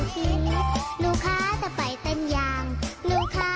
สวัสดีค่ะ